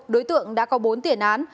đối tượng đã có bốn tiền án